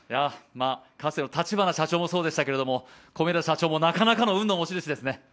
かつての立花社長もそうでしたけど、米田社長もなかなかの運の持ち主ですね。